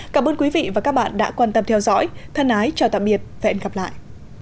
cảm ơn quý vị và các bạn đã quan tâm theo dõi thân ái chào tạm biệt và hẹn gặp lại